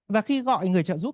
và khi gọi người trợ giúp